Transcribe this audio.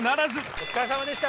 お疲れさまでした。